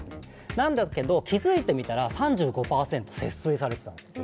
なんだけど、気付いてみたら３５％節水されてたんです。